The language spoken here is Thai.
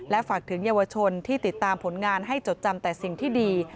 ฝากถึงเยาวชนที่ติดตามผลงานให้จดจำแต่สิ่งที่ดี